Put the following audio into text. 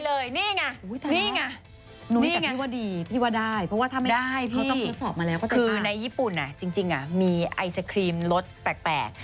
เขาต้องทดสอบมาแล้วเข้าใจปะคือในญี่ปุ่นจริงมีไอศครีมรสแปลก